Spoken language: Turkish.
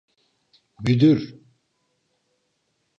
Müdür?